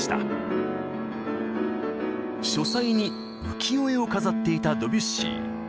書斎に浮世絵を飾っていたドビュッシー。